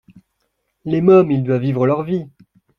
Les mômes ils doivent vivre leur vie